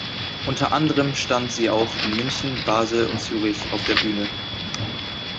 Unter anderem stand sie auch in München, Basel und Zürich auf der Bühne.